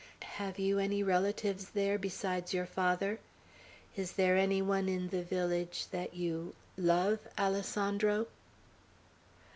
Have you any relatives there besides your father? Is there any one in the village that you love, Alessandro?"